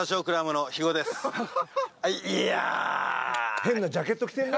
変なジャケット着てるな。